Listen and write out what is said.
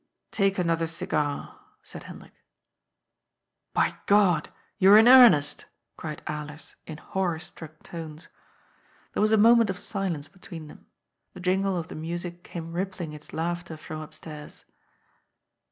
^^ Take another cigar," said Hendrik. « By , you are in earnest !" cried Alers in horror struck tones. There was a moment of silence between them. The jingle of the music came rippling its laughter from upstairs.